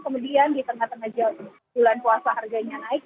kemudian di tengah tengah bulan puasa harganya naik